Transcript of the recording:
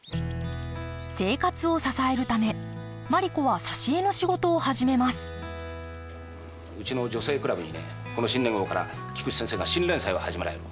生活を支えるためマリ子は挿絵の仕事を始めますうちの「女性倶楽部」にねこの新年号から菊池先生が新連載を始められる。